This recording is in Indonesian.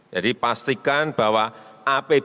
jadi pastikan bahwa apbd itu